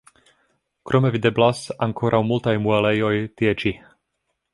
Krome videblas ankoraŭ multaj muelejoj tie ĉi.